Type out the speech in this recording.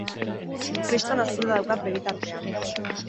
Kriston azkura daukat begitartean.